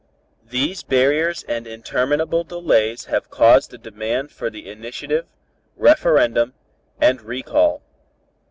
"These barriers and interminable delays have caused the demand for the initiative, referendum and recall.